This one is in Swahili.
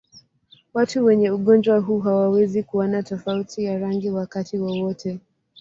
Watu wenye ugonjwa huu hawawezi kuona tofauti ya rangi wakati wote.